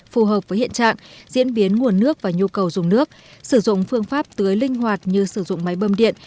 phù hợp với hiện trạng diễn biến nguồn nước và nhu cầu dùng nước sử dụng phương pháp tưới linh hoạt như sử dụng máy bơm điện